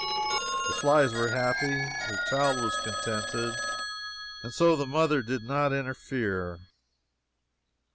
The flies were happy, the child was contented, and so the mother did not interfere.